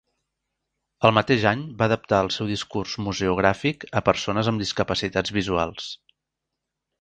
El mateix any va adaptar el seu discurs museogràfic a persones amb discapacitats visuals.